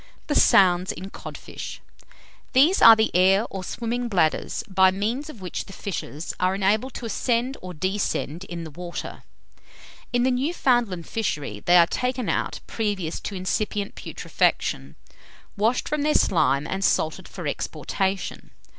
THE SOUNDS IN CODFISH. These are the air or swimming bladders, by means of which the fishes are enabled to ascend or descend in the water. In the Newfoundland fishery they are taken out previous to incipient putrefaction, washed from their slime and salted for exportation.